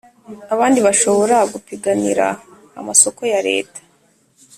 Abandi bashobora gupiganira amasoko ya leta